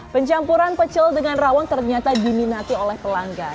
pencampuran pecel dengan rawon ternyata diminati oleh pelanggan